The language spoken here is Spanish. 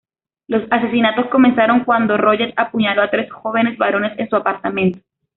Los asesinatos comenzaron cuando Rodger apuñaló a tres jóvenes varones en su apartamento.